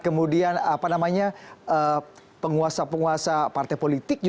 kemudian penguasa penguasa partai politik